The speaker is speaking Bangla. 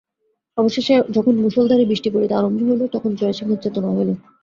অবশেষে যখন মুষলধারে বৃষ্টি পড়িতে আরম্ভ হইল তখন জয়সিংহের চেতনা হইল।